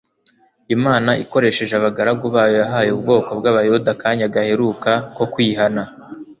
Imana ikoresheje abagaragu bayo yahaye ubwoko bw'abayuda akanya gaheruka ko kwihana.